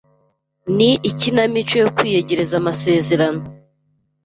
ni ikinamico yo kwiyegereza Amasezerano